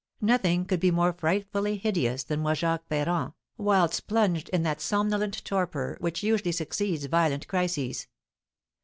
Nothing could be more frightfully hideous than was Jacques Ferrand, whilst plunged in that somnolent torpor which usually succeeds violent crises.